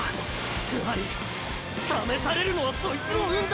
つまり試されるのはそいつの運だ！！